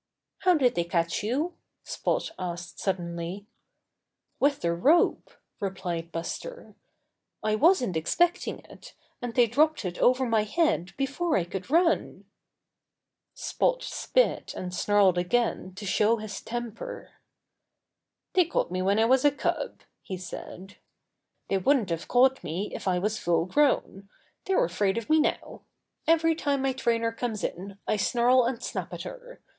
"How did they catch you?" Spot asked sud denly. "With a rope," replied Buster. "I wasn't expecting it, and they dropped it over my head before I could run." Spot spit and snarled again to show his tem per. "They caught me when I was a cub," Buster's First Public Appearance 65 he said. ^'They wouldn't have caught me if I was full grown. They're afraid of me now. Every time my trainer comes in I snarl and snap at her.